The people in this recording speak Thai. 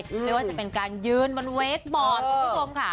ไม่ว่าจะเป็นการยืนบนเวคบอร์ดคุณผู้ชมค่ะ